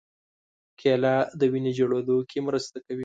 کېله د وینې جوړېدو کې مرسته کوي.